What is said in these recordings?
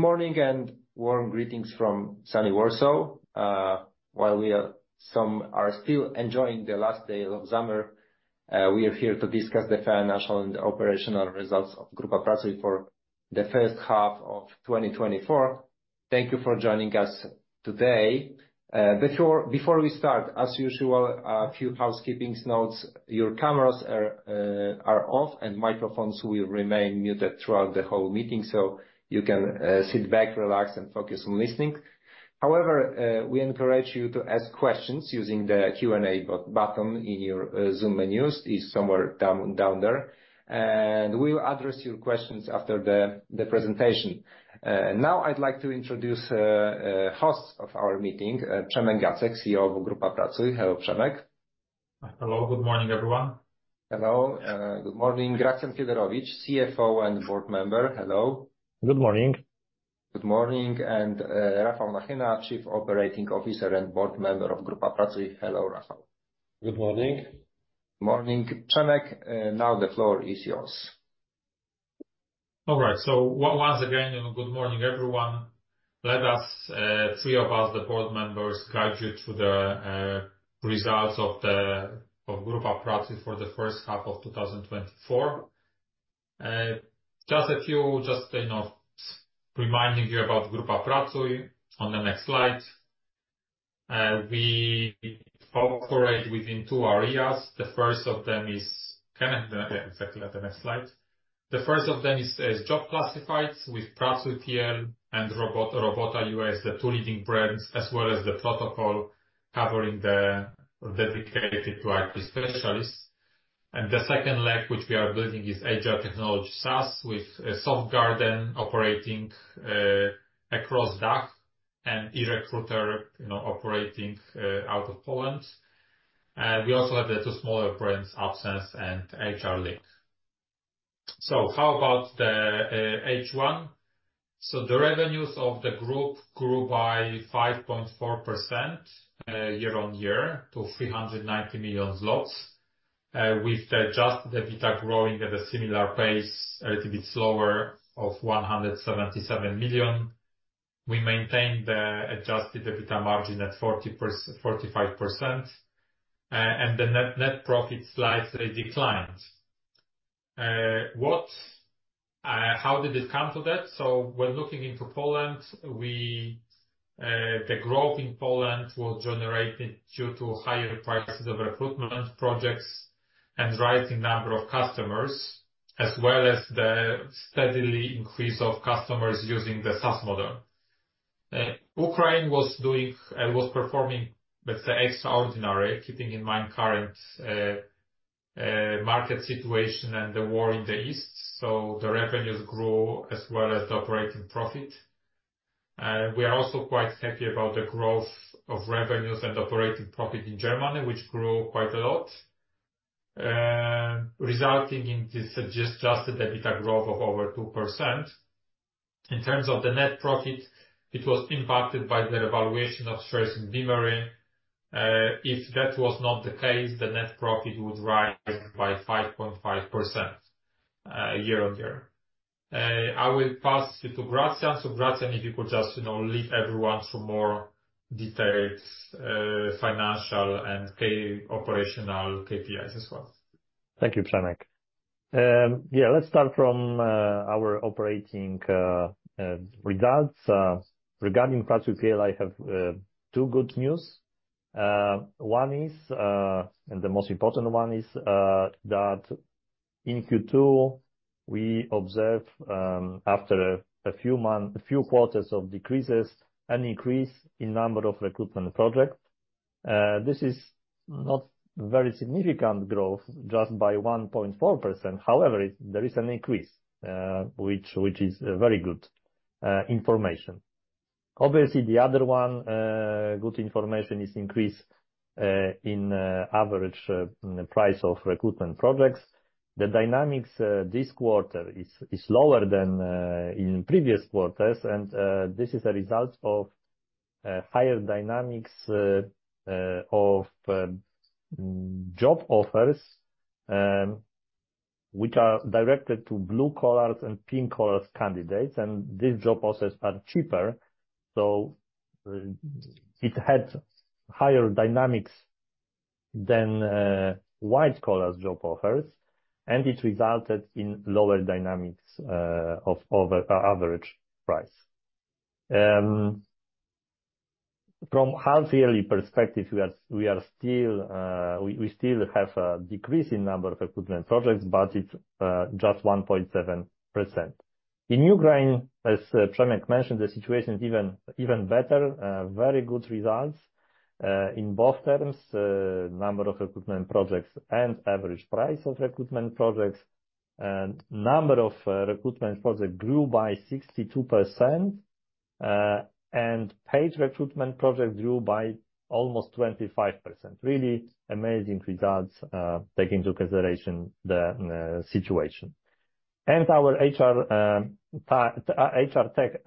Good morning and warm greetings from Sunny Warsaw. While some are still enjoying the last day of summer, we are here to discuss the financial and operational results of Grupa Pracuj for the first half of 2024. Thank you for joining us today. Before we start, as usual, a few housekeeping notes. Your cameras are off, and microphones will remain muted throughout the whole meeting, so you can sit back, relax, and focus on listening. However, we encourage you to ask questions using the Q&A button in your Zoom menus. It's somewhere down there, and we'll address your questions after the presentation. Now I'd like to introduce the host of our meeting, Przemek Gacek, CEO of Grupa Pracuj. Hello, Przemek. Hello, good morning, everyone. Hello, good morning. Gracjan Fiedorowicz, CFO and Board Member. Hello. Good morning. Good morning, and Rafał Nachyna, Chief Operating Officer and board member of Grupa Pracuj. Hello, Rafał. Good morning. Morning. Przemek, now the floor is yours. All right. So once again, good morning, everyone. Let us, three of us, the board members, guide you through the results of Grupa Pracuj for the first half of 2024. Just a few, just, you know, reminding you about Grupa Pracuj on the next slide. We operate within two areas. The first of them is... Can I have the next slide? The first of them is job classifieds with Pracuj.pl and Robota.ua, the two leading brands, as well as theprotocol, covering the dedicated IT specialists. And the second leg, which we are building, is HR Technology SaaS, with Softgarden operating across DACH and eRecruiter, you know, operating out of Poland. We also have the two smaller brands, Absence and HRlink. So how about the H1? So the revenues of the group grew by 5.4%, year-on-year, to 390 million zlotys. With the Adjusted EBITDA growing at a similar pace, a little bit slower, of 177 million. We maintained the Adjusted EBITDA margin at 45%, and the net profit slightly declined. What, how did it come to that? So when looking into Poland, we, the growth in Poland was generated due to higher prices of recruitment projects and rising number of customers, as well as the steadily increase of customers using the SaaS model. Ukraine was performing, let's say, extraordinary, keeping in mind current market situation and the war in the east, so the revenues grew as well as the operating profit. We are also quite happy about the growth of revenues and operating profit in Germany, which grew quite a lot, resulting in this Adjusted EBITDA growth of over 2%. In terms of the net profit, it was impacted by the revaluation of shares in Beamery. If that was not the case, the net profit would rise by 5.5%, year on year. I will pass you to Gracjan. Gracjan, if you could just, you know, lead everyone through more details, financial and key operational KPIs as well. Thank you, Przemek. Yeah, let's start from our operating results. Regarding Pracuj.pl, I have two good news. One is, and the most important one is, that in Q2, we observe, after a few months, a few quarters of decreases, an increase in number of recruitment projects. This is not very significant growth, just by 1.4%. However, there is an increase, which is very good information. Obviously, the other one good information, is increase in average price of recruitment projects. The dynamics this quarter is lower than in previous quarters, and this is a result of higher dynamics of job offers which are directed to blue collar and pink collar candidates, and these job offers are cheaper, so it had higher dynamics than white collar job offers, and it resulted in lower dynamics of average price. From half yearly perspective, we still have a decrease in number of recruitment projects, but it's just 1.7%. In Ukraine, as Przemek mentioned, the situation is even better. Very good results in both terms, number of recruitment projects and average price of recruitment projects. And number of recruitment projects grew by 62%, and paid recruitment projects grew by almost 25%. Really amazing results. Take into consideration the situation. And our HR tech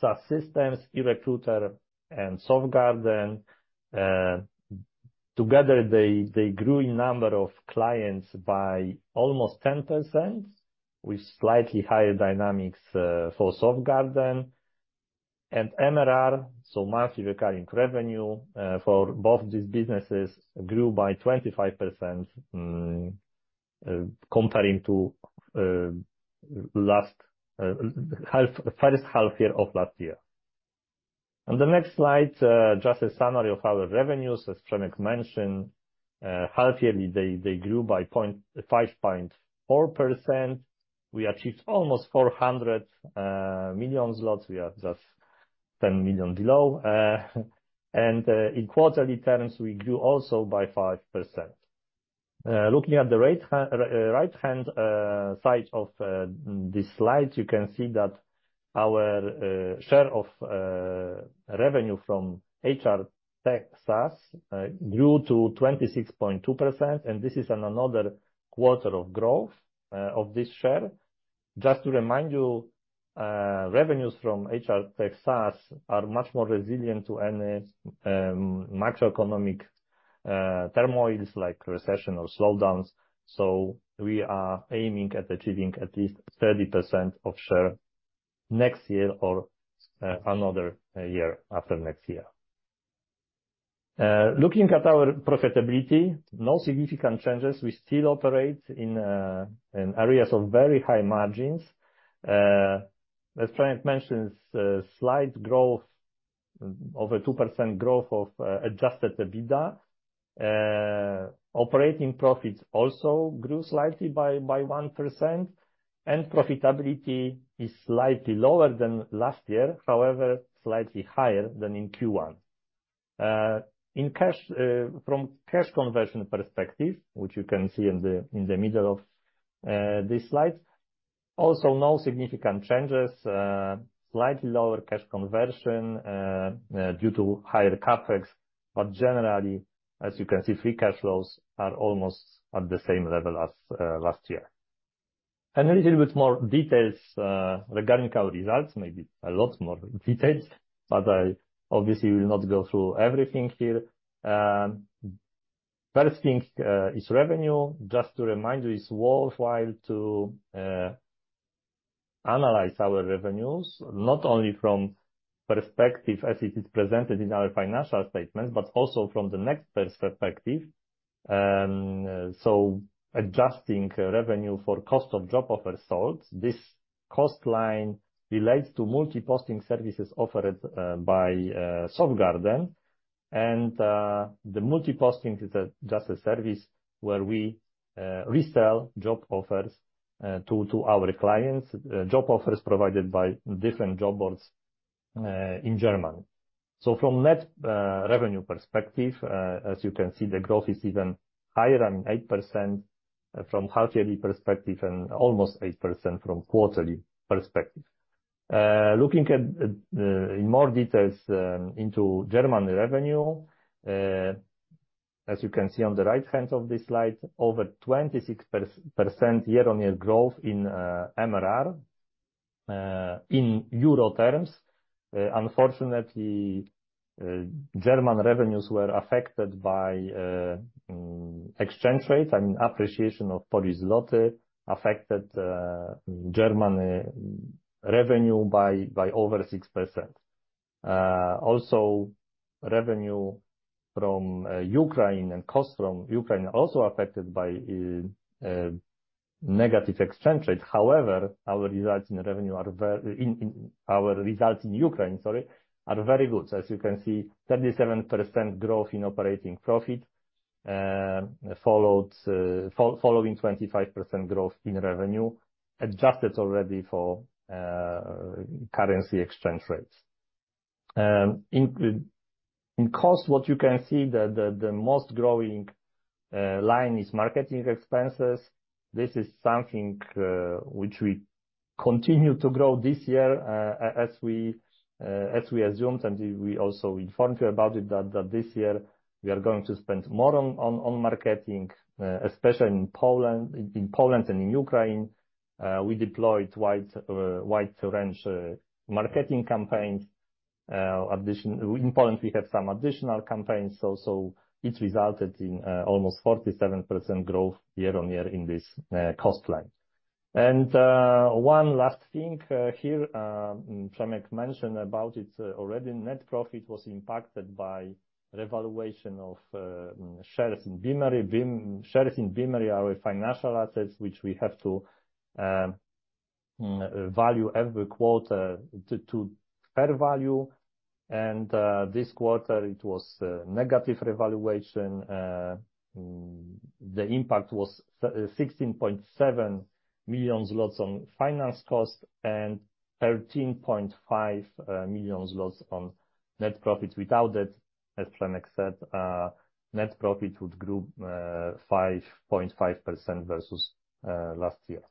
SaaS systems, eRecruiter and Softgarden, together they grew in number of clients by almost 10%, with slightly higher dynamics for Softgarden. And MRR, so monthly recurring revenue, for both these businesses, grew by 25%, comparing to the first half of last year. On the next slide, just a summary of our revenues. As Przemek mentioned, half-yearly, they grew by 5.4%. We achieved almost 400 million zlotys. We are just 10 million below. And in quarterly terms, we grew also by 5%. Looking at the right-hand side of this slide, you can see that our share of revenue from HR tech SaaS grew to 26.2%, and this is another quarter of growth of this share. Just to remind you, revenues from HR tech SaaS are much more resilient to any macroeconomic turmoils, like recession or slowdowns, so we are aiming at achieving at least 30% of share next year or another year after next year. Looking at our profitability, no significant changes. We still operate in areas of very high margins. As Przemek mentions, slight growth, over 2% growth of Adjusted EBITDA. Operating profits also grew slightly by 1%, and profitability is slightly lower than last year, however, slightly higher than in Q1. In cash, from cash conversion perspective, which you can see in the middle of this slide, also no significant changes. Slightly lower cash conversion due to higher CapEx, but generally, as you can see, free cash flows are almost at the same level as last year. A little bit more details regarding our results, maybe a lot more details, but I obviously will not go through everything here. First thing is revenue. Just to remind you, it's worthwhile to analyze our revenues, not only from perspective as it is presented in our financial statements, but also from the next perspective. Adjusting revenue for cost of job offer sold, this cost line relates to multi-posting services offered by Softgarden. The multi-posting is just a service where we resell job offers to our clients, job offers provided by different job boards in Germany. From net revenue perspective, as you can see, the growth is even higher than 8% from half yearly perspective, and almost 8% from quarterly perspective. Looking at in more details into German revenue, as you can see on the right hand of this slide, over 26% year-on-year growth in MRR in euro terms. Unfortunately, German revenues were affected by exchange rates. I mean, appreciation of Polish złoty affected German revenue by over 6%. Also, revenue from Ukraine and cost from Ukraine are also affected by negative exchange rate. However, our results in Ukraine, sorry, are very good. So as you can see, 37% growth in operating profit, followed by 25% growth in revenue, adjusted already for currency exchange rates. In costs, what you can see, the most growing line is marketing expenses. This is something which we continue to grow this year, as we assumed, and we also informed you about it, that this year we are going to spend more on marketing, especially in Poland. In Poland and in Ukraine, we deployed wide range marketing campaigns. Additionally, in Poland, we have some additional campaigns, so it resulted in almost 47% growth year on year in this cost line. One last thing here. Przemek mentioned about it already. Net profit was impacted by revaluation of shares in Beamery. Shares in Beamery, our financial assets, which we have to value every quarter to fair value. This quarter, it was negative revaluation. The impact was 16.7 million zlotys on finance costs and 13.5 million zlotys on net profits. Without it, as Przemek said, net profit would grow 5.5% versus last year.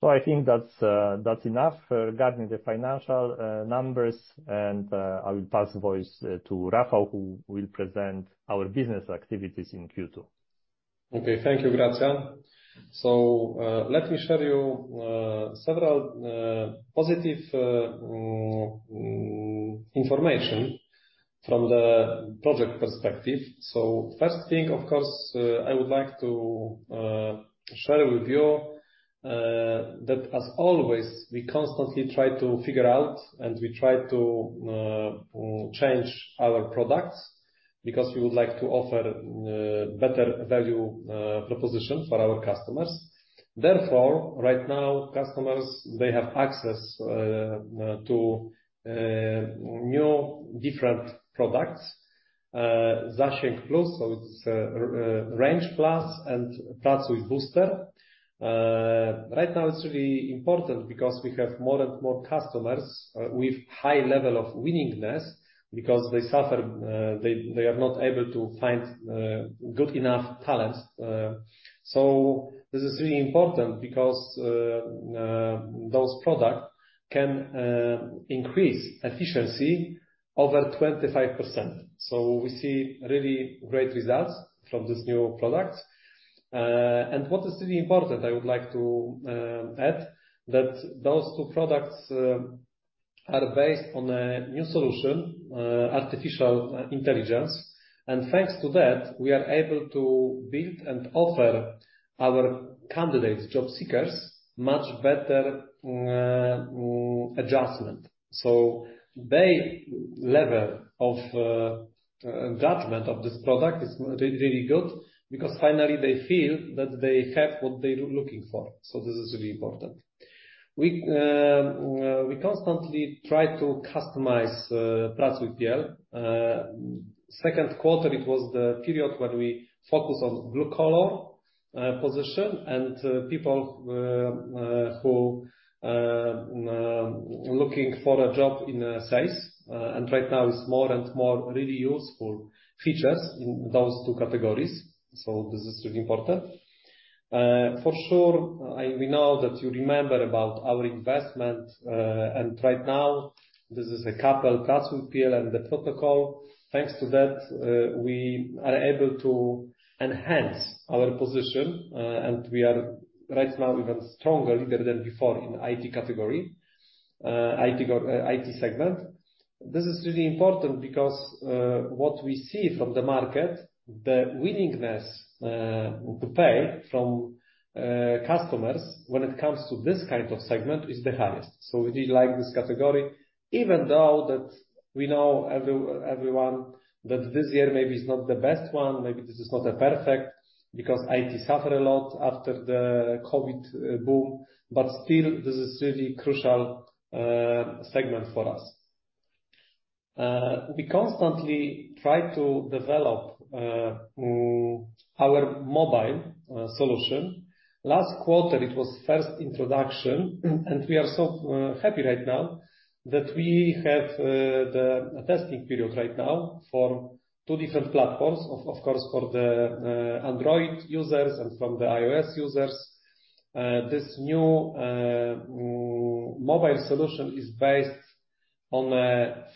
So I think that's enough regarding the financial numbers. I will pass the voice to Rafał, who will present our business activities in Q2.... Okay, thank you, Gracjan. So, let me share you several positive information from the project perspective. So first thing, of course, I would like to share with you that as always, we constantly try to figure out, and we try to change our products, because we would like to offer better value proposition for our customers. Therefore, right now, customers, they have access to new different products, Zasięg Plus, so it's Reach Plus and Praca with Booster. Right now, it's really important because we have more and more customers with high level of willingness, because they suffer, they are not able to find good enough talent. So this is really important because those products can increase efficiency over 25%. So we see really great results from this new product. And what is really important, I would like to add, that those two products are based on a new solution, artificial intelligence. And thanks to that, we are able to build and offer our candidates, job seekers, much better adjustment. So their level of judgment of this product is really good, because finally they feel that they have what they looking for. So this is really important. We constantly try to customize Pracuj.pl. Second quarter, it was the period when we focus on blue collar position and people looking for a job in sales. And right now, it's more and more really useful features in those two categories, so this is really important. For sure, we know that you remember about our investment, and right now, this is a couple Pracuj.pl and theprotocol. Thanks to that, we are able to enhance our position, and we are right now even stronger leader than before in the IT category, IT segment. This is really important because, what we see from the market, the willingness to pay from customers when it comes to this kind of segment is the highest. So we really like this category, even though that we know everyone, that this year maybe is not the best one, maybe this is not a perfect, because IT suffer a lot after the COVID boom, but still, this is really crucial segment for us. We constantly try to develop our mobile solution. Last quarter, it was first introduction, and we are so happy right now that we have the testing period right now for two different platforms, of course, for the Android users and from the iOS users. This new mobile solution is based on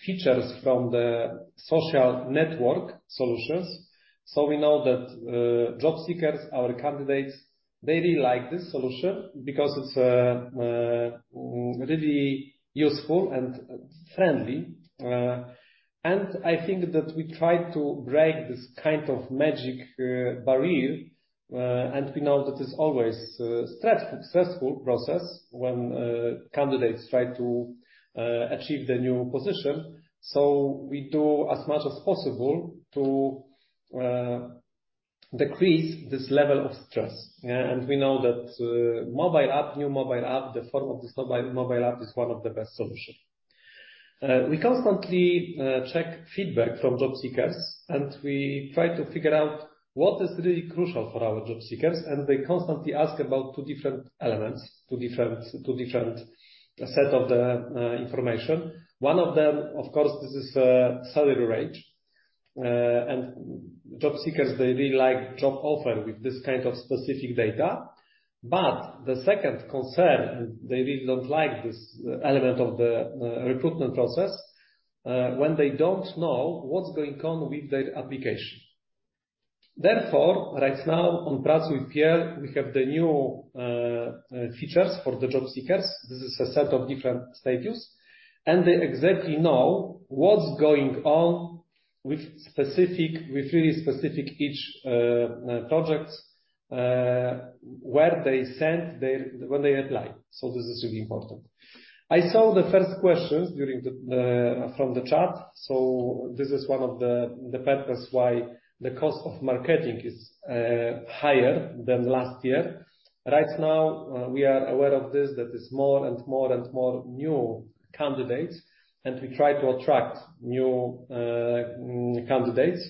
features from the social network solutions. So we know that job seekers, our candidates, they really like this solution because it's really useful and friendly. And I think that we try to break this kind of magic barrier, and we know that it's always a stress-successful process when candidates try to achieve the new position. So we do as much as possible to decrease this level of stress. And we know that mobile app, new mobile app, the form of this mobile, mobile app is one of the best solution. We constantly check feedback from job seekers, and we try to figure out what is really crucial for our job seekers, and they constantly ask about two different elements, two different set of the information. One of them, of course, this is salary range. And job seekers, they really like job offer with this kind of specific data. But the second concern, they really don't like this element of the recruitment process, when they don't know what's going on with their application. Therefore, right now on Pracuj.pl, we have the new features for the job seekers. This is a set of different stages, and they exactly know what's going on with specific with really specific each projects, where they sent their... When they apply. So this is really important. I saw the first questions from the chat, so this is one of the purpose why the cost of marketing is higher than last year. Right now, we are aware of this, that is more and more and more new candidates, and we try to attract new candidates.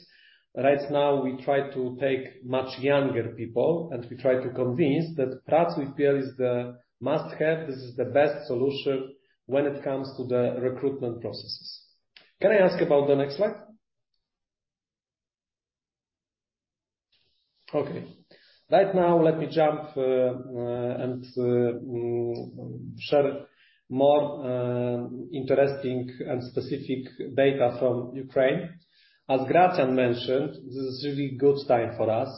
Right now, we try to take much younger people, and we try to convince that Pracuj.pl is the must-have, this is the best solution when it comes to the recruitment processes. Can I ask about the next slide? Okay. Right now, let me jump and share more interesting and specific data from Ukraine. As Gracjan mentioned, this is really good time for us.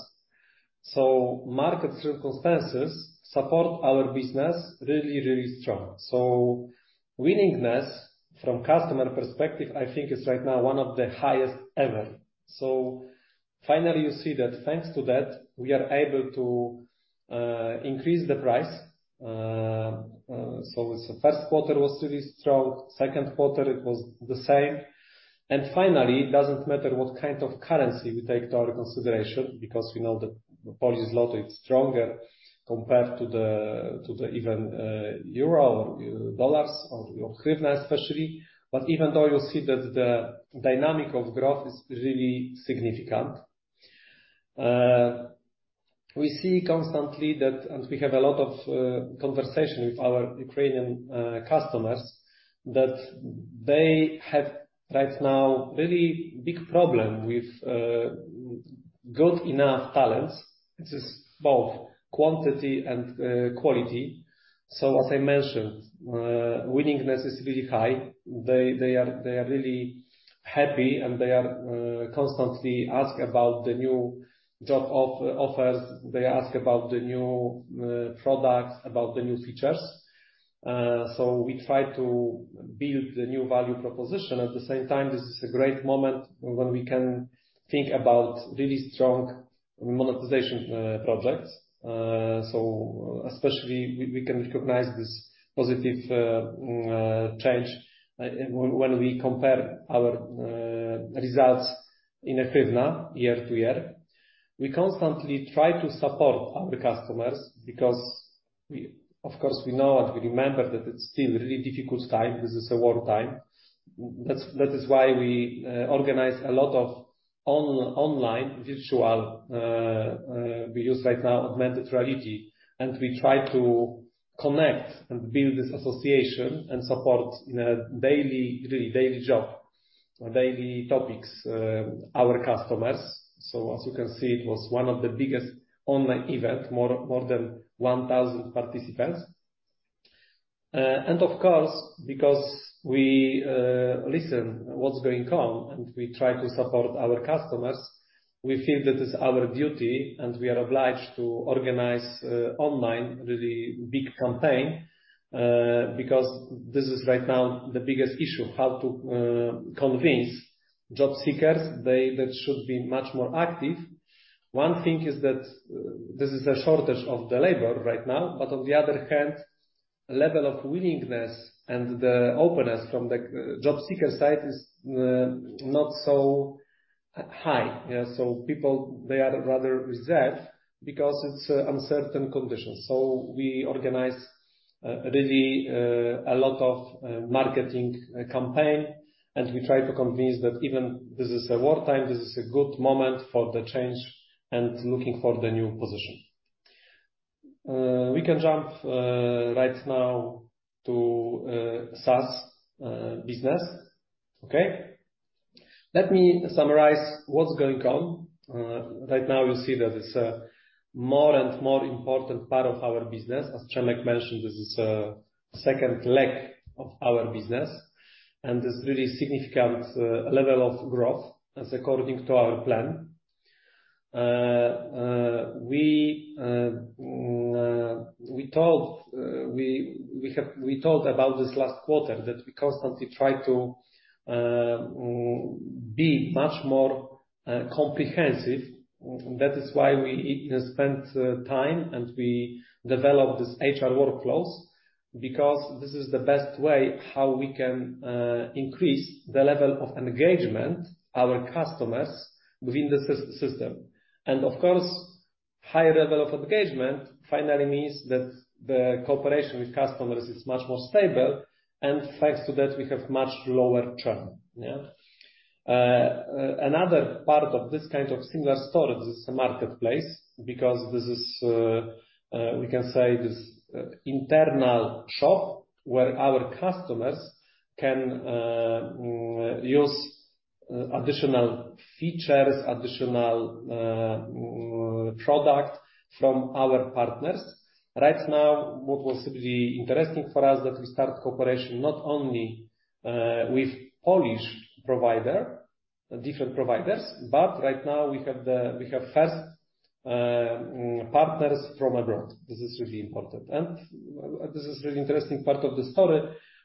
So market circumstances support our business really, really strong. So willingness from customer perspective, I think, is right now one of the highest ever. So finally, you see that thanks to that, we are able to increase the price. So the first quarter was really strong, second quarter it was the same. And finally, it doesn't matter what kind of currency we take to our consideration, because we know the Polish złoty is stronger compared to even the euro or dollars or hryvnia especially. But even though you see that the dynamic of growth is really significant, we see constantly that, and we have a lot of conversation with our Ukrainian customers, that they have right now, really big problem with good enough talents. This is both quantity and quality. So as I mentioned, willingness is really high. They are really happy, and they are constantly ask about the new job offers. They ask about the new products, about the new features. So we try to build the new value proposition. At the same time, this is a great moment when we can think about really strong monetization projects. So especially, we can recognize this positive change when we compare our results in hryvnia, year to year. We constantly try to support our customers because we, of course, we know and we remember that it's still a really difficult time. This is a war time. That's why we organize a lot of online virtual, we use right now augmented reality, and we try to connect and build this association and support in a daily, really daily job or daily topics, our customers. So as you can see, it was one of the biggest online event, more than one thousand participants. And of course, because we listen what's going on, and we try to support our customers, we feel that it's our duty, and we are obliged to organize online really big campaign, because this is right now the biggest issue: how to convince job seekers they should be much more active. One thing is that, this is a shortage of the labor right now, but on the other hand, level of willingness and the openness from the, job seeker side is, not so high. Yeah, so people, they are rather reserved because it's, uncertain conditions. We organize, really, a lot of, marketing campaign, and we try to convince that even this is a war time, this is a good moment for the change and looking for the new position. We can jump, right now to, SaaS, business. Okay? Let me summarize what's going on. Right now, you'll see that it's a more and more important part of our business. As Przemek mentioned, this is a second leg of our business, and there's really significant, level of growth as according to our plan. We talked about this last quarter, that we constantly try to be much more comprehensive. That is why we spend time, and we develop this HR workflows, because this is the best way how we can increase the level of engagement, our customers, within the system. And of course, high level of engagement finally means that the cooperation with customers is much more stable, and thanks to that, we have much lower churn. Yeah. Another part of this kind of similar story, this is a marketplace, because this is, we can say, this internal shop, where our customers can use additional features, additional product from our partners. Right now, what was really interesting for us, that we start cooperation not only with Polish provider, different providers, but right now we have the- we have first partners from abroad. This is really important, and this is really interesting part of the story,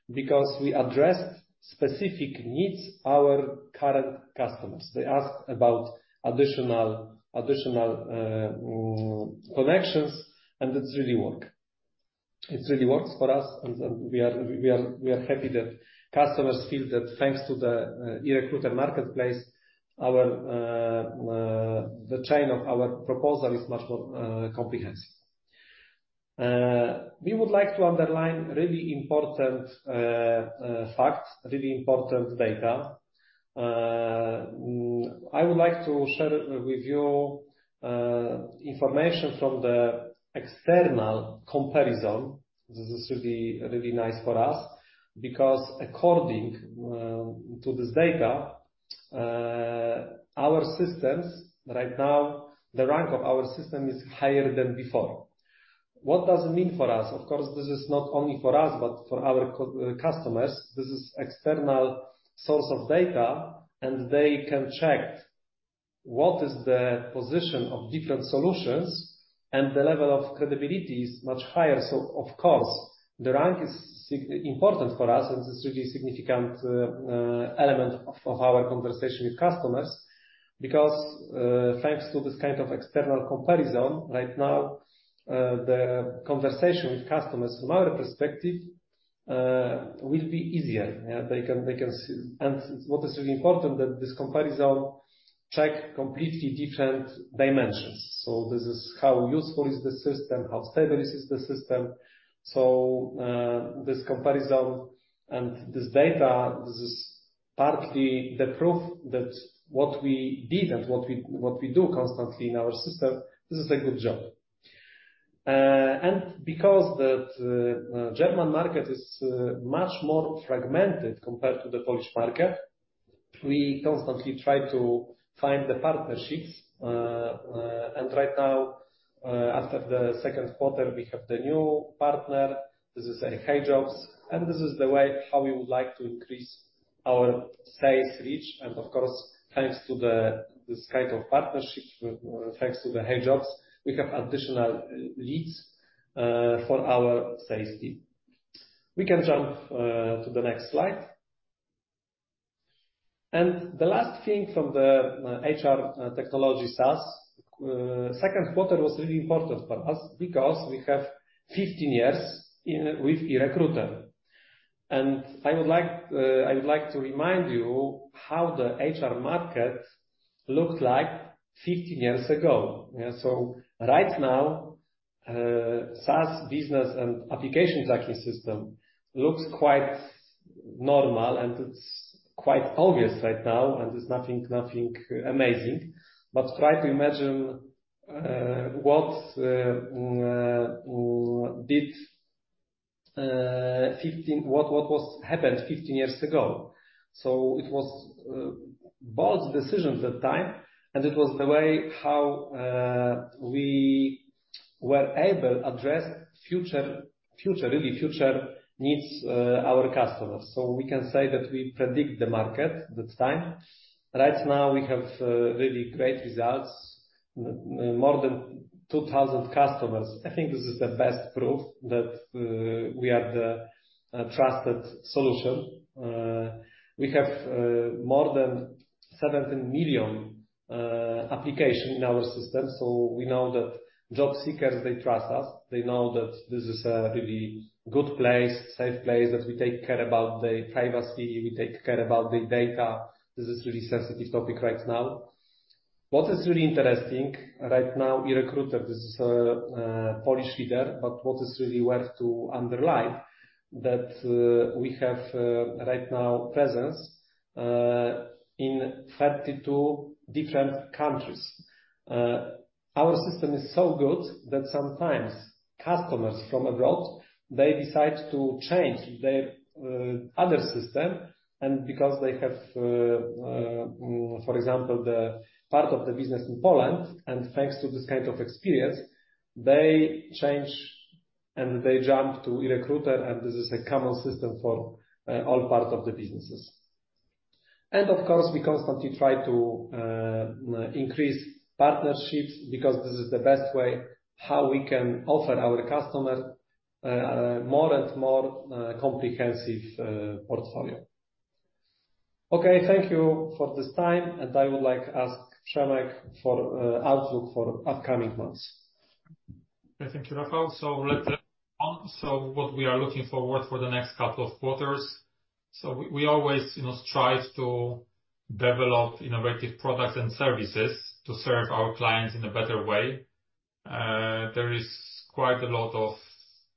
because we addressed specific needs, our current customers. They asked about additional connections, and it's really work. It really works for us, and we are happy that customers feel that thanks to the eRecruiter Marketplace, our the chain of our proposal is much more comprehensive. We would like to underline really important fact, really important data. I would like to share with you information from the external comparison. This is really nice for us, because according to this data. Our systems, right now, the rank of our system is higher than before. What does it mean for us? Of course, this is not only for us, but for our customers. This is external source of data, and they can check what is the position of different solutions, and the level of credibility is much higher. So of course, the rank is important for us, and this is a really significant element of our conversation with customers, because thanks to this kind of external comparison, right now, the conversation with customers, from our perspective, will be easier. Yeah, they can, they can see, and what is really important, that this comparison check completely different dimensions. So this is how useful is the system, how stable is the system. So, this comparison and this data, this is partly the proof that what we did and what we do constantly in our system, this is a good job. And because the German market is much more fragmented compared to the Polish market, we constantly try to find the partnerships. And right now, after the second quarter, we have the new partner. This is HeyJobs, and this is the way how we would like to increase our sales reach, and of course, thanks to this kind of partnership, thanks to the HeyJobs, we have additional leads for our sales team. We can jump to the next slide. And the last thing from the HR technology SaaS second quarter was really important for us because we have 15 years with eRecruiter. And I would like, I would like to remind you how the HR market looked like 15 years ago. Yeah, so right now, SaaS business and applicant tracking system looks quite normal, and it's quite obvious right now, and it's nothing amazing. But try to imagine what was happened 15 years ago. So it was bold decisions at that time, and it was the way how we were able address future, really future needs our customers. So we can say that we predict the market, that time. Right now, we have really great results, more than 2,000 customers. I think this is the best proof that we are the trusted solution. We have more than 17 million applications in our system, so we know that job seekers, they trust us. They know that this is a really good place, safe place, that we take care about their privacy, we take care about their data. This is really sensitive topic right now. What is really interesting, right now, eRecruiter is Polish leader, but what is really worth to underline, that we have right now presence in 32 different countries. Our system is so good that sometimes customers from abroad, they decide to change their other system, and because they have for example, the part of the business in Poland, and thanks to this kind of experience, they change and they jump to eRecruiter, and this is a common system for all parts of the businesses. Of course, we constantly try to increase partnerships, because this is the best way how we can offer our customers more and more comprehensive portfolio. Okay, thank you for this time, and I would like to ask Przemek for outlook for upcoming months. Thank you, Rafał. What we are looking forward for the next couple of quarters. We always, you know, strive to develop innovative products and services to serve our clients in a better way. There is quite a lot of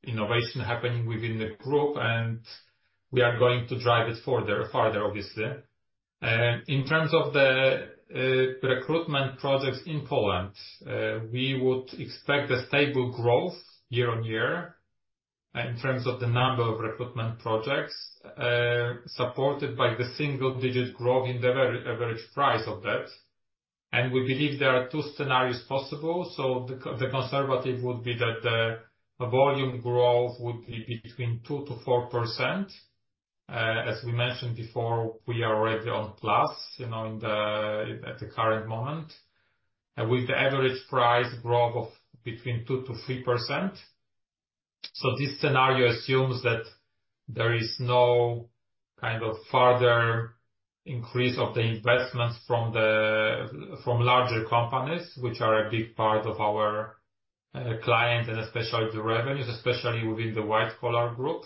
innovation happening within the group, and we are going to drive it further, obviously. In terms of the recruitment projects in Poland, we would expect a stable year-on-year growth in terms of the number of recruitment projects, supported by the single-digit growth in the average price of that. We believe there are two scenarios possible. The conservative would be that the volume growth would be between 2% - 4%. As we mentioned before, we are already on plus, you know, at the current moment, and with the average price growth of between 2%-3%. So this scenario assumes that there is no kind of further increase of the investments from the, from larger companies, which are a big part of our, clients and especially the revenues, especially within the white collar group.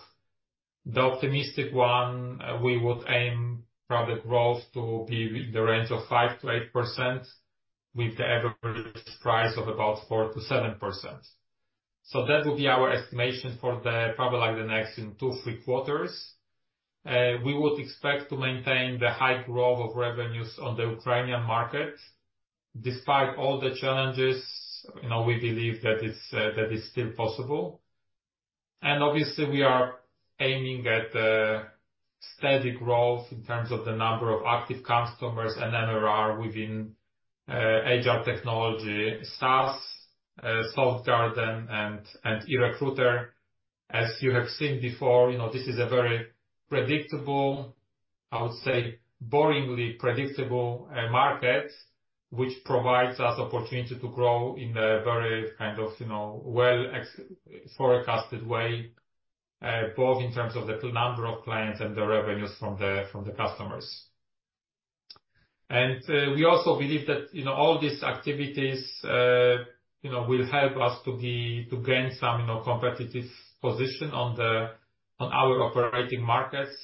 The optimistic one, we would aim product growth to be in the range of 5%-8%, with the average price of about 4%-7%. So that would be our estimation for the, probably, like the next in two, three quarters. We would expect to maintain the high growth of revenues on the Ukrainian market. Despite all the challenges, you know, we believe that it's, that is still possible. Obviously, we are aiming at steady growth in terms of the number of active customers and MRR within HR Technology, SaaS, Softgarden, and eRecruiter. As you have seen before, you know, this is a very predictable, I would say, boringly predictable market, which provides us opportunity to grow in a very kind of, you know, well forecasted way, both in terms of the number of clients and the revenues from the customers. We also believe that, you know, all these activities, you know, will help us to gain some, you know, competitive position on our operating markets.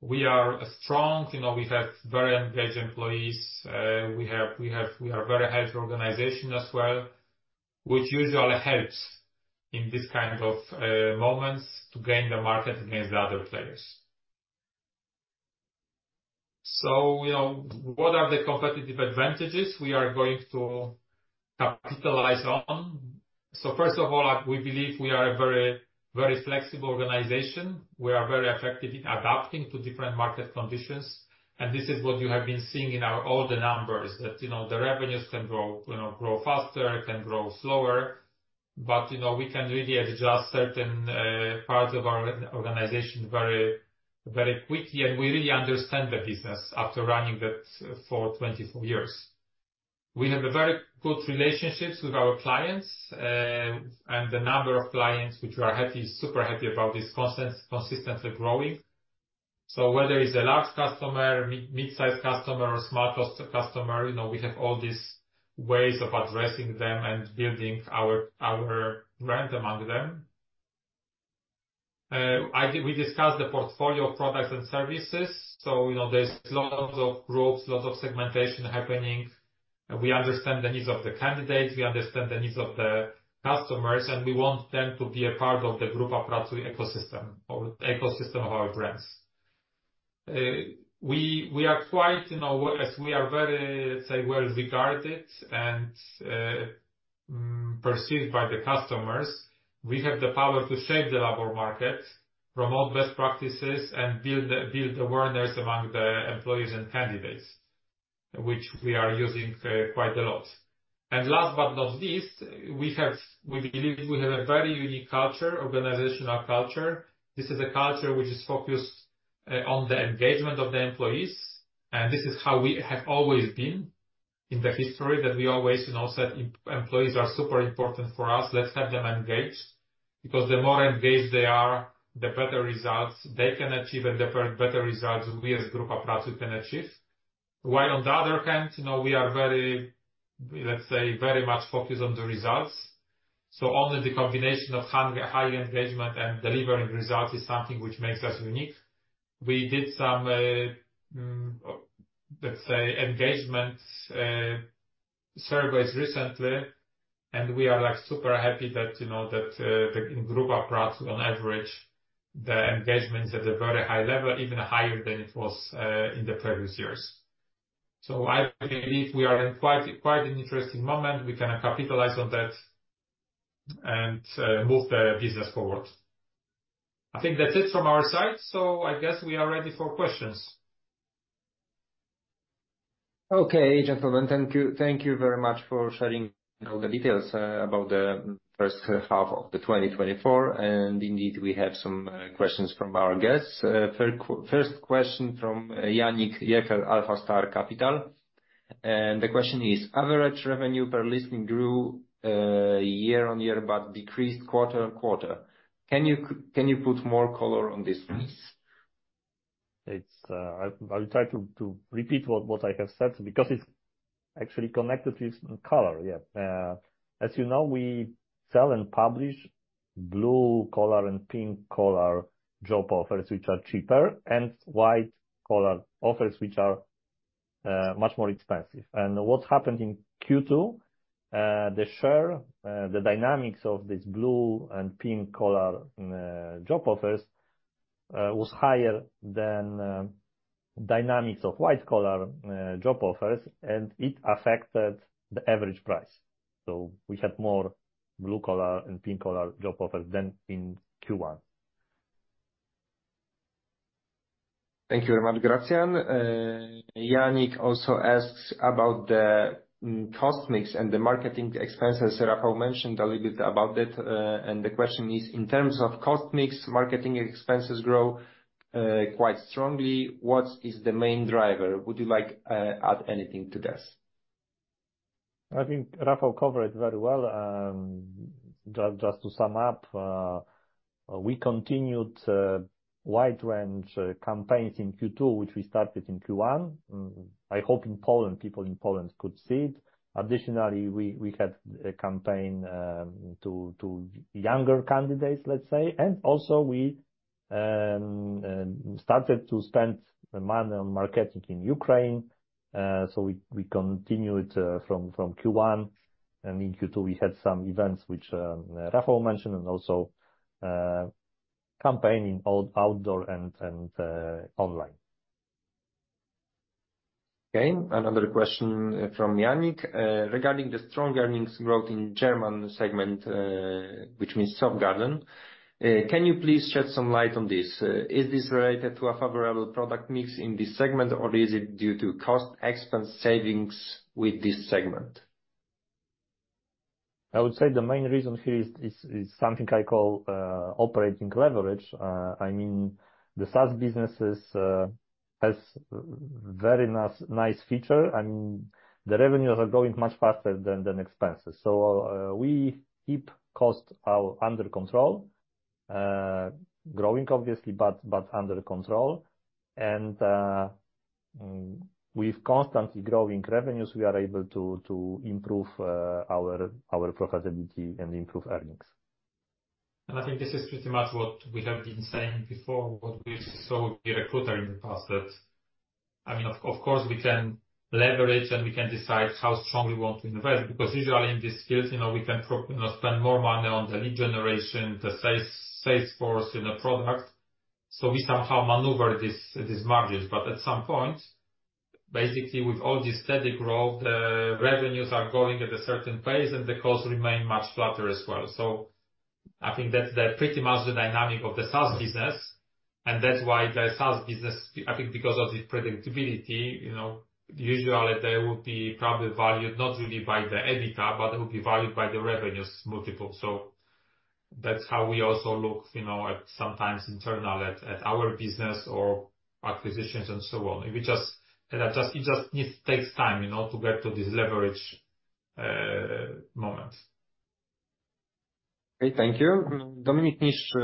We are strong, you know, we have very engaged employees, we are a very healthy organization as well, which usually helps in this kind of moments to gain the market against the other players. You know, what are the competitive advantages we are going to capitalize on? First of all, we believe we are a very, very flexible organization. We are very effective in adapting to different market conditions, and this is what you have been seeing in our all the numbers. That, you know, the revenues can grow, you know, grow faster, can grow slower, but, you know, we can really adjust certain parts of our organization very, very quickly, and we really understand the business after running that for 24 years. We have very good relationships with our clients, and the number of clients which we are happy, super happy about, is consistently growing. So whether it's a large customer, mid-size customer, or small customer, you know, we have all these ways of addressing them and building our brand among them. I think we discussed the portfolio of products and services, so, you know, there's lots of groups, lots of segmentation happening. We understand the needs of the candidates, we understand the needs of the customers, and we want them to be a part of the Grupa Pracuj ecosystem or ecosystem of our brands. We are quite, you know, as we are very well regarded and perceived by the customers. We have the power to shape the labor market, promote best practices, and build awareness among the employees and candidates, which we are using quite a lot. And last but not least, we believe we have a very unique culture, organizational culture. This is a culture which is focused on the engagement of the employees, and this is how we have always been in the history, that we always, you know, said, "Employees are super important for us. Let's have them engaged, because the more engaged they are, the better results they can achieve and the better results we, as Grupa Pracuj, can achieve." While on the other hand, you know, we are very, let's say, very much focused on the results. So only the combination of high, high engagement and delivering results is something which makes us unique. We did some, let's say, engagement surveys recently, and we are, like, super happy that, you know, that, in Grupa Pracuj, on average, the engagement is at a very high level, even higher than it was, in the previous years. So I believe we are in quite, quite an interesting moment. We can capitalize on that and, move the business forward. I think that's it from our side, so I guess we are ready for questions. Okay, gentlemen, thank you. Thank you very much for sharing all the details about the first half of the 2024. And indeed, we have some questions from our guests. First question from Yannick Jaeger, Alpha Star Capital, and the question is: Average revenue per listing grew year on year, but decreased quarter on quarter. Can you put more color on this, please? I will try to repeat what I have said, because it's actually connected with color. Yeah. As you know, we sell and publish blue collar and pink collar job offers, which are cheaper, and white collar offers, which are much more expensive. And what happened in Q2, the dynamics of this blue and pink collar job offers was higher than dynamics of white collar job offers, and it affected the average price. So we had more blue collar and pink collar job offers than in Q1. Thank you very much, Gracjan. Yannick also asks about the cost mix and the marketing expenses. Rafał mentioned a little bit about that, and the question is: In terms of cost mix, marketing expenses grow quite strongly. What is the main driver? Would you like add anything to this? I think Rafał covered it very well. Just to sum up, we continued wide-range campaigns in Q2, which we started in Q1. I hope in Poland, people in Poland could see it. Additionally, we had a campaign to younger candidates, let's say, and also we started to spend money on marketing in Ukraine. So we continued from Q1, and in Q2, we had some events, which Rafał mentioned, and also campaign in outdoor and online.... Okay, another question from Yannick, regarding the strong earnings growth in German segment, which means Softgarden. Can you please shed some light on this? Is this related to a favorable product mix in this segment, or is it due to cost expense savings with this segment? I would say the main reason here is something I call operating leverage. I mean, the SaaS businesses has very nice feature. I mean, the revenues are growing much faster than expenses, so we keep costs under control, growing obviously, but under control, and with constantly growing revenues, we are able to improve our profitability and improve earnings. And I think this is pretty much what we have been saying before, what we saw with the recruiter in the past, that, I mean, of course, we can leverage and we can decide how strong we want to invest. Because usually in these fields, you know, we can you know, spend more money on the lead generation, the sales, sales force, you know, product. So we somehow maneuver this, these margins. But at some point, basically, with all this steady growth, revenues are going at a certain pace, and the costs remain much flatter as well. So I think that's pretty much the dynamic of the SaaS business, and that's why the SaaS business, I think, because of this predictability, you know, usually they would be probably valued not really by the EBITDA, but it will be valued by the revenues multiple. So that's how we also look, you know, at sometimes internal at our business or acquisitions and so on. We just, and that just it just takes time, you know, to get to this leverage moment. Okay, thank you. Dominik Niszcz,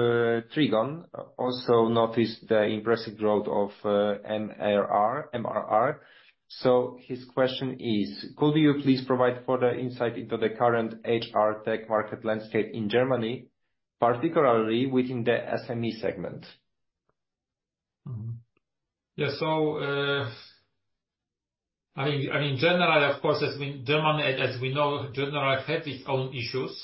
Trigon, also noticed the impressive growth of MRR. So his question is: Could you please provide further insight into the current HR tech market landscape in Germany, particularly within the SME segment? Yeah, so, I mean, generally, of course, as we know, Germany, as we know, generally had its own issues.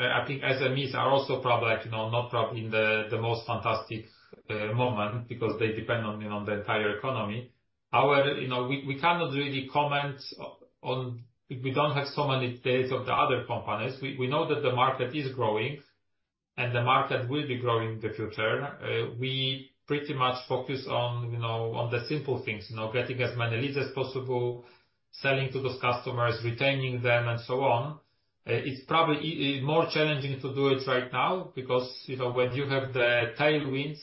I think SMEs are also probably, you know, not probably in the most fantastic moment because they depend on, you know, the entire economy. However, you know, we cannot really comment on. We don't have so many details of the other companies. We know that the market is growing, and the market will be growing in the future. We pretty much focus on, you know, on the simple things, you know, getting as many leads as possible, selling to those customers, retaining them, and so on. It's probably more challenging to do it right now because, you know, when you have the tailwinds,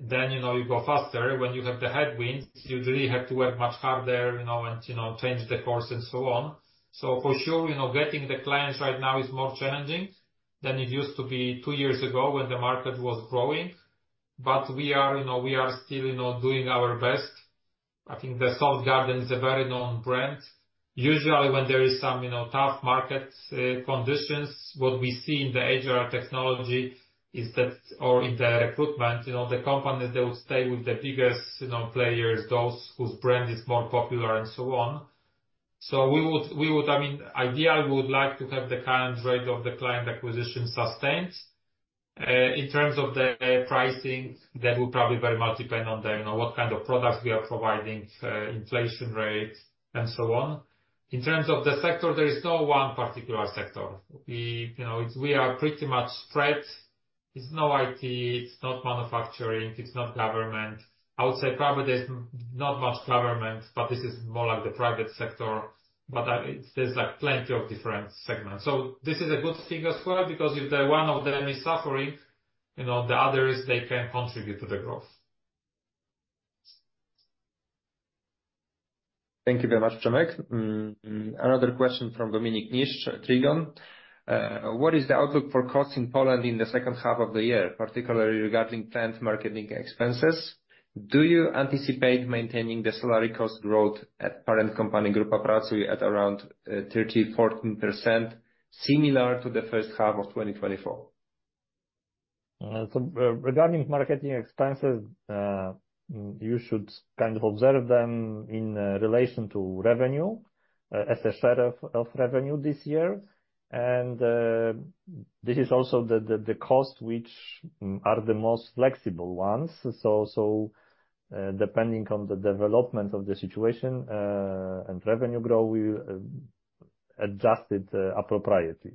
then you know, you go faster. When you have the headwinds, you really have to work much harder, you know, and, you know, change the course and so on. So for sure, you know, getting the clients right now is more challenging than it used to be two years ago when the market was growing. But we, you know, are still, you know, doing our best. I think the Softgarden is a very known brand. Usually, when there is some, you know, tough market conditions, what we see in the HR technology is that, or in the recruitment, you know, the companies, they would stay with the biggest, you know, players, those whose brand is more popular and so on. So we would, I mean, ideally, we would like to have the current rate of the client acquisition sustained. In terms of the pricing, that will probably very much depend on the, you know, what kind of products we are providing, inflation rates, and so on. In terms of the sector, there is no one particular sector. We, you know, we are pretty much spread. It's not IT, it's not manufacturing, it's not government. I would say probably there's not much government, but this is more like the private sector. But, it's, there's, like, plenty of different segments. So this is a good thing as well, because if the one of them is suffering, you know, the others, they can contribute to the growth. Thank you very much, Przemek. Another question from Dominik Niszcz, Trigon. What is the outlook for costs in Poland in the second half of the year, particularly regarding planned marketing expenses? Do you anticipate maintaining the salary cost growth at parent company, Grupa Pracuj, at around 13%-14%, similar to the first half of 2024? Regarding marketing expenses, you should kind of observe them in relation to revenue, as a share of revenue this year. This is also the costs which are the most flexible ones. Depending on the development of the situation and revenue growth, we adjust it appropriately.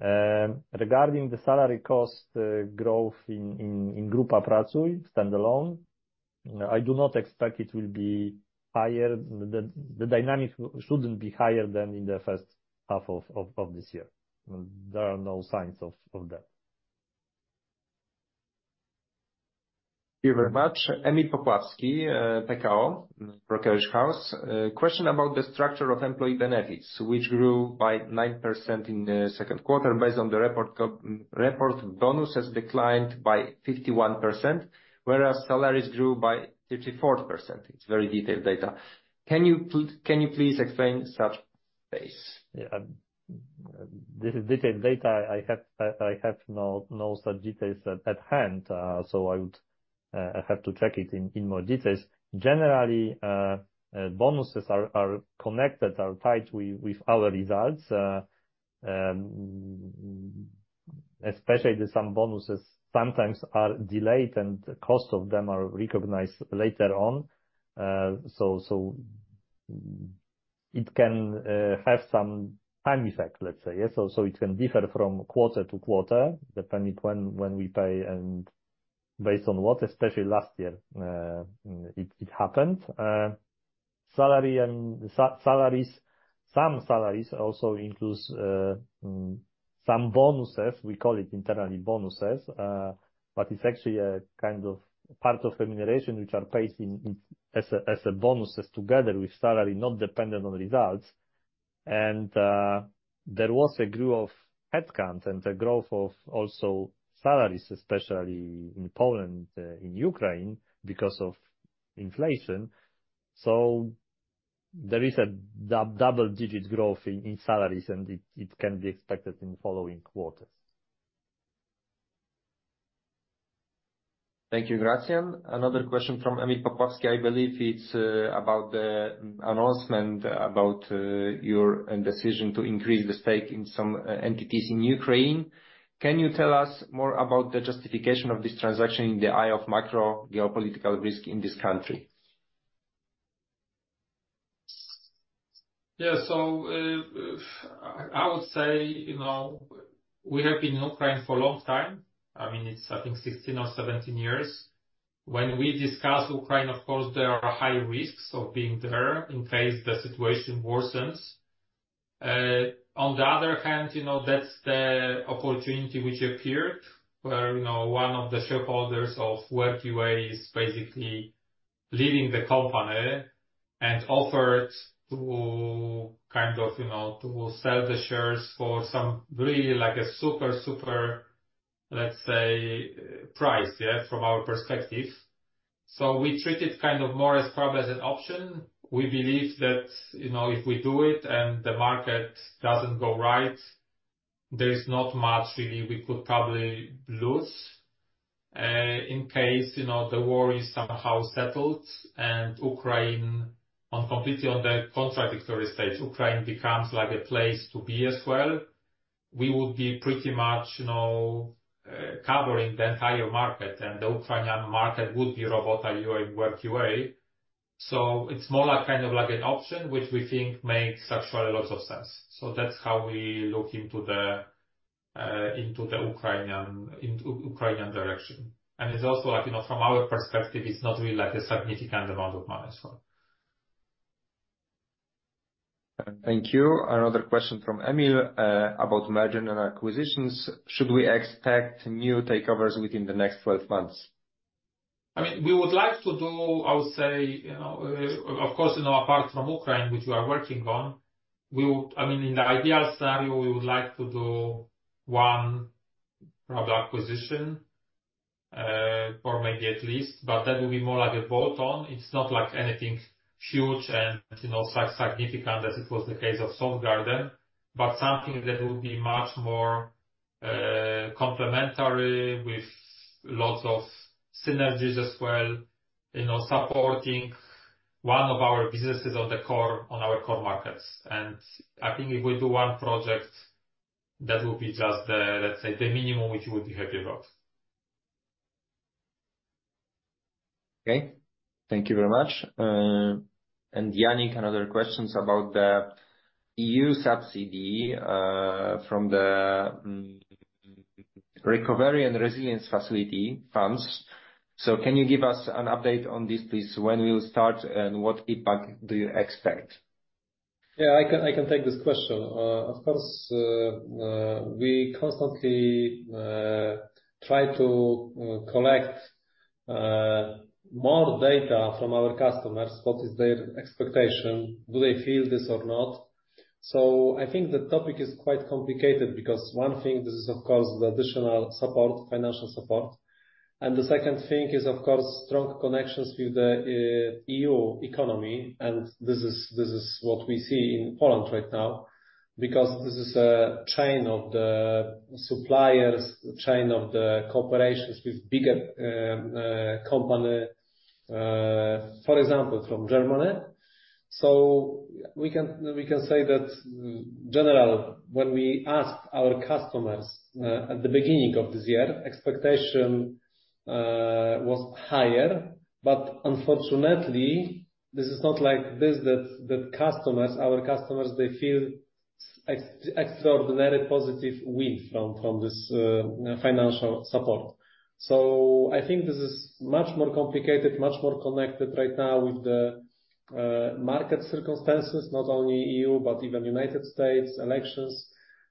Regarding the salary cost growth in Grupa Pracuj standalone, I do not expect it will be higher. The dynamic shouldn't be higher than in the first half of this year. There are no signs of that. Thank you very much. Emil Popławski, PKO Brokerage House. Question about the structure of employee benefits, which grew by 9% in the second quarter. Based on the report, bonuses declined by 51%, whereas salaries grew by 34%. It's very detailed data. Can you please explain such base? Yeah, this detailed data, I have no such details at hand, so I would have to check it in more details. Generally, bonuses are connected, are tied with our results.... especially the some bonuses sometimes are delayed and the cost of them are recognized later on. So it can have some time effect, let's say, yes? So it can differ from quarter to quarter, depending when we pay and based on what, especially last year, it happened. Salary and salaries, some salaries also includes some bonuses. We call it internally, bonuses, but it's actually a kind of part of remuneration which are paid in as a bonuses together with salary, not dependent on results. And there was a growth of headcount and a growth of also salaries, especially in Poland, in Ukraine, because of inflation. So there is a double-digit growth in salaries, and it can be expected in the following quarters. Thank you, Gracjan. Another question from Emil Popławski. I believe it's about the announcement about your decision to increase the stake in some entities in Ukraine. Can you tell us more about the justification of this transaction in the eye of macro geopolitical risk in this country? Yeah. So, I would say, you know, we have been in Ukraine for a long time. I mean, it's, I think, sixteen or seventeen years. When we discuss Ukraine, of course, there are high risks of being there in case the situation worsens. On the other hand, you know, that's the opportunity which appeared, where, you know, one of the shareholders of Work.ua is basically leaving the company, and offered to kind of, you know, to sell the shares for some really like a super, super, let's say, price, yeah, from our perspective. So we treat it kind of more as probably as an option. We believe that, you know, if we do it, and the market doesn't go right, there is not much really we could probably lose. In case, you know, the war is somehow settled and Ukraine, on completely on the contradictory stage, Ukraine becomes like a place to be as well, we would be pretty much, you know, covering the entire market, and the Ukrainian market would be Robota.ua and Work.ua. So it's more like, kind of like an option, which we think makes actually a lot of sense. So that's how we look into the Ukrainian direction. And it's also like, you know, from our perspective, it's not really like a significant amount of money, so. Thank you. Another question from Emil about merger and acquisitions. Should we expect new takeovers within the next 12 months? I mean, we would like to do, I would say, you know, of course, you know, apart from Ukraine, which we are working on, we would, I mean, in the ideal scenario, we would like to do one, probably, acquisition, or maybe at least, but that would be more like a bolt-on. It's not like anything huge and, you know, significant, as it was the case of Softgarden, but something that will be much more complementary with lots of synergies as well, you know, supporting one of our businesses on the core, on our core markets. And I think if we do one project, that will be just the, let's say, the minimum, which we would be happy about. Okay. Thank you very much, and Yannick, another questions about the EU subsidy from the Recovery and Resilience Facility funds. So can you give us an update on this, please? When will you start, and what impact do you expect? Yeah, I can take this question. Of course, we constantly try to collect more data from our customers. What is their expectation? Do they feel this or not? So I think the topic is quite complicated, because one thing, this is, of course, the additional support, financial support. And the second thing is, of course, strong connections with the EU economy, and this is what we see in Poland right now. Because this is a chain of the suppliers, chain of the corporations with bigger company, for example, from Germany. So we can say that in general, when we asked our customers at the beginning of this year, expectations was higher, but unfortunately, this is not like this, that the customers, our customers, they feel extraordinary positive wind from this financial support. So I think this is much more complicated, much more connected right now with the market circumstances, not only EU, but even United States elections.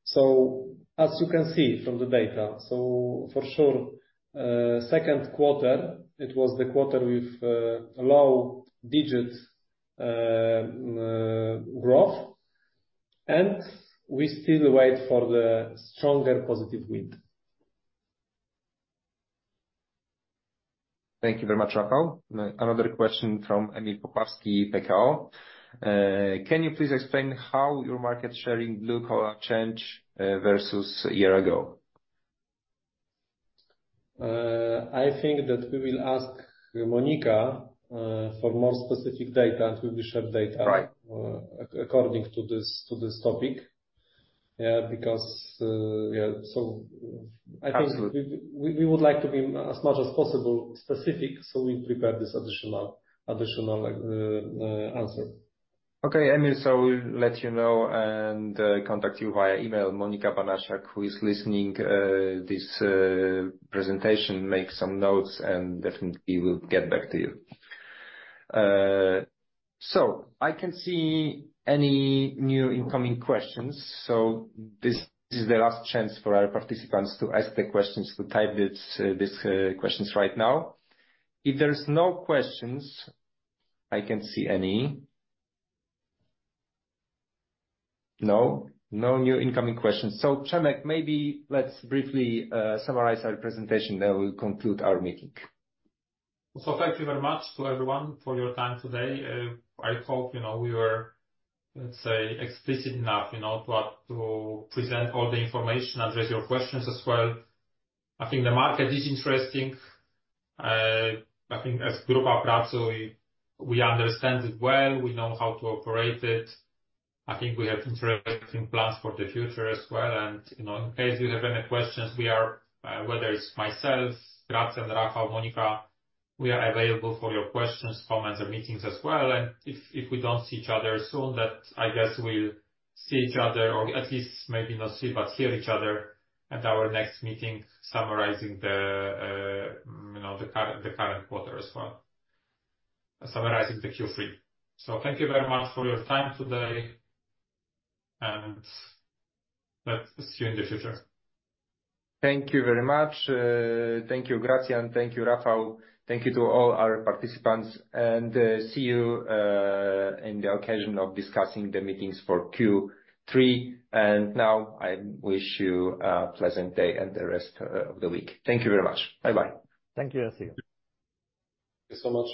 So as you can see from the data, so for sure, second quarter, it was the quarter with low single-digit growth, and we still wait for the stronger positive wind. Thank you very much, Rafał. Another question from Emil Popławski, PKO. Can you please explain how your market share in blue collar changed versus a year ago?... I think that we will ask Monica for more specific data, and we will share data... Right. according to this topic. Yeah, because, yeah, so I think- Absolutely. We would like to be as much as possible specific, so we prepare this additional answer. Okay, Emil, so we'll let you know and contact you via email. Monika Banasiak, who is listening this presentation, make some notes, and definitely we will get back to you. So I can't see any new incoming questions, so this is the last chance for our participants to ask their questions, to type it these questions right now. If there's no questions... I can't see any. No? No new incoming questions. So, Przemek, maybe let's briefly summarize our presentation, then we'll conclude our meeting. Thank you very much to everyone for your time today. I hope, you know, we were, let's say, explicit enough, you know, to present all the information, address your questions as well. I think the market is interesting. I think as Grupa Pracuj, we understand it well, we know how to operate it. I think we have interesting plans for the future as well, and you know, in case you have any questions, we are, whether it's myself, Gracjan, Rafał, Monika, we are available for your questions, comments, and meetings as well. If we don't see each other soon, I guess we'll see each other, or at least maybe not see, but hear each other at our next meeting, summarizing the current quarter as well, summarizing the Q3. Thank you very much for your time today, and let's see you in the future. Thank you very much. Thank you, Gracjan. Thank you, Rafał. Thank you to all our participants, and see you in the occasion of discussing the meetings for Q3. And now I wish you a pleasant day and the rest of the week. Thank you very much. Bye-bye. Thank you, and see you. Thank you so much.